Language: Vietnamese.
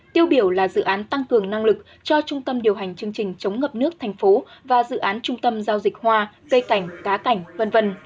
tiêu biểu là dự án tăng cường năng lực cho trung tâm điều hành chương trình chống ngập nước thành phố và dự án trung tâm giao dịch hoa dây cảnh cá cảnh v v